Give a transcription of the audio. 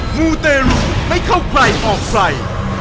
หมู่เตรูไม่เข้าใครออกใฝ่